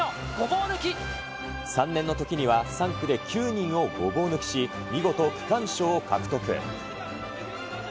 ３年のときには３区で９人をごぼう抜きし、見事、区間賞を獲得。